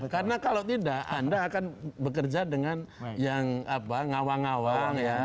karena kalau tidak anda akan bekerja dengan yang ngawang ngawang